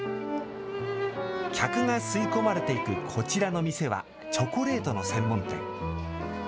客が吸い込まれていくこちらの店はチョコレートの専門店。